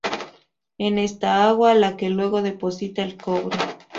Es esta agua la que luego deposita el cobre.